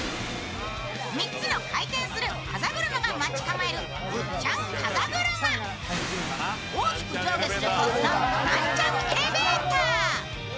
３つの回転する風車が待ち構えるウッチャンかざぐるま大きく上下するコースのナンチャンエレベーター。